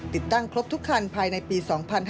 ติดตั้งครบทุกคันภายในปี๒๕๕๙